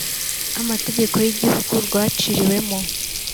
amategeko y igihugu rwaciriwemo